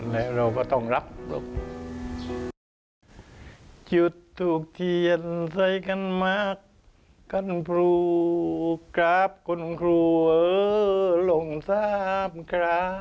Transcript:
และเราก็ต้องรับลูก